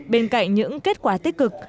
bên cạnh những kết quả tiêu dùng